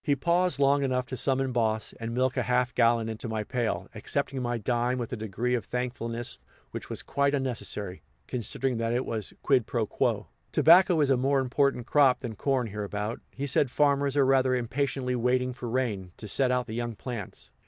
He paused long enough to summon Boss and milk a half gallon into my pail, accepting my dime with a degree of thankfulness which was quite unnecessary, considering that it was quid pro quo. Tobacco is a more important crop than corn hereabout, he said; farmers are rather impatiently waiting for rain, to set out the young plants.